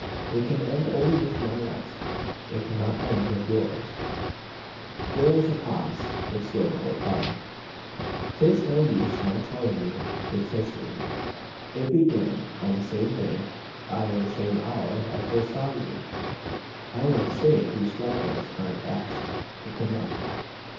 It can end only with my life. It could not end with yours." There was a pause, but still no reply. "'Tis no use my telling you its history. It began on the same day ay, the same hour I first saw you. "I won't say it grew stronger as time passed. It could not.